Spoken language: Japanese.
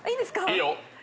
いいよ。